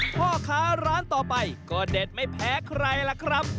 พ่อค้าร้านต่อไปก็เด็ดไม่แพ้ใครล่ะครับ